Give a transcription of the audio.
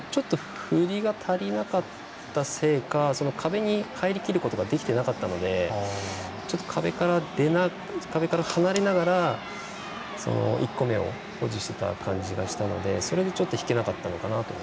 振りが足りなかったせいか壁に入り込むことができていなかったので壁から離れながら１個目を保持していた感じがしたのでそれで引けなかったのかなと。